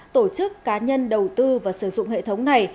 tổ chức cá nhân đầu tư và sử dụng hệ thống này